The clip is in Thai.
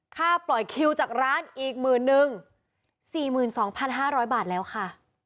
ค่าปล่อยคิวจากร้านอีกหมื่นนึง๔๒๕๐๐บาทแล้วค่ะ